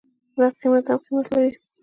دغه قيمت هم قيمت لري.